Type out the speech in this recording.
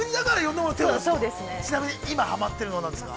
◆ちなみに、今はまってるのは何ですか。